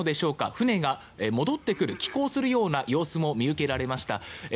船が戻ってくる寄港するような様子も見受けられました。